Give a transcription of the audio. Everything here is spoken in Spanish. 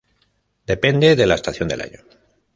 Depende de la estación del año.